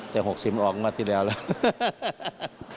๖๐ออกมาที่แล้วแล้ว